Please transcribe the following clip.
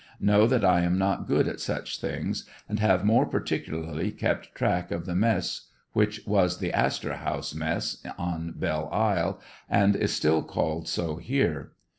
Know that 1 am not good at such things, and have more particularly kept track of the mess which was the Astor House Mess" on Belle Isle, and is still called so here.